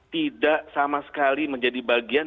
tidak sama sekali menjadi bagian